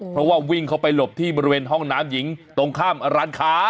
เพราะว่าวิ่งเข้าไปหลบที่บริเวณห้องน้ำหญิงตรงข้ามร้านค้า